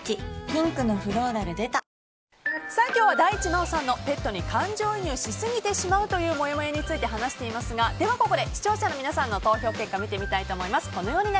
ピンクのフローラル出た今日は大地真央さんのペットに感情移入しすぎてしまうというもやもやについて話していますがここで視聴者の皆さんの投票結果を見てみます。